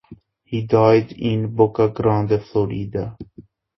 He died in Boca Grande, Florida.